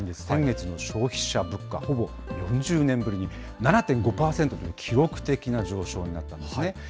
先月の消費者物価、ほぼ４０年ぶりに７．５％という記録的な上昇になったんですね。